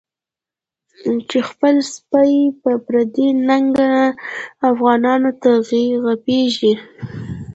چی خپل سپی په پردی ننګه، افغانانو ته غپیږی